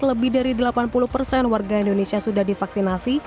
lebih dari delapan puluh persen warga indonesia sudah divaksinasi